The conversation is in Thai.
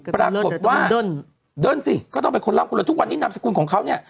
ปรากฏว่าเดินสิก็ต้องเป็นคนร่ำคนเลยทุกวันนี้นามสกุลของเขาเนี่ย